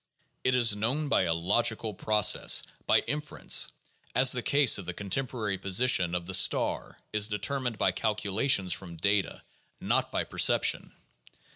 It is 398 THE JOURNAL OF PHILOSOPHY known by a logical process, by inference — as the case of the contem porary position of the star is determined by calculations from data, not by perception.